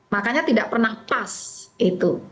makanya tidak pernah pas itu